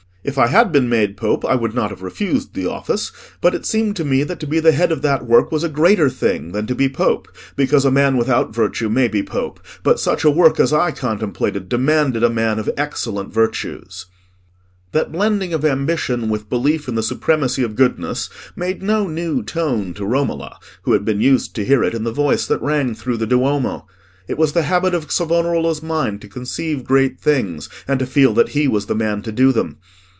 If I had been made Pope, I would not have refused the office: but it seemed to me that to be the head of that work was a greater thing than to be Pope, because a man without virtue may be Pope; but such a work as I contemplated demanded a man of excellent virtues." That blending of ambition with belief in the supremacy of goodness made no new tone to Romola, who had been used to hear it in the voice that rang through the Duomo. It was the habit of Savonarola's mind to conceive great things, and to feel that he was the man to do them.